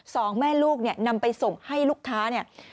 สองแม่ลูกเนี่ยนำไปส่งให้ลูกค้าเนี่ย